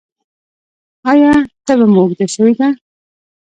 ایا تبه مو اوږده شوې ده؟